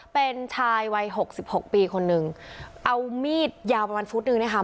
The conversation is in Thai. เป็นชายวัยหกสิบหกปีคนหนึ่งเอามีดยาวประมาณฟุตนึงนะคะ